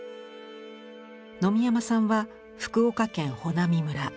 野見山さんは福岡県穂波村